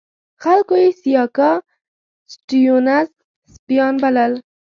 خلکو یې سیاکا سټیونز سپیان بلل.